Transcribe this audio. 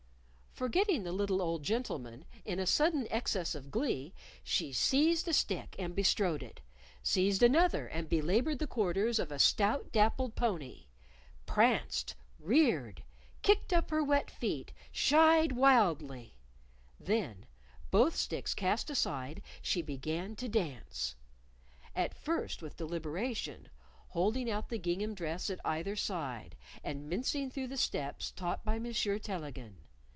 Forgetting the little old gentleman, in a sudden excess of glee she seized a stick and bestrode it; seized another and belabored the quarters of a stout dappled pony; pranced, reared, kicked up her wet feet, shied wildly Then, both sticks cast aside, she began to dance; at first with deliberation, holding out the gingham dress at either side, and mincing through the steps taught by Monsieur Tellegen.